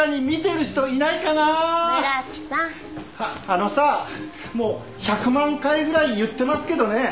あのさもう百万回ぐらい言ってますけどね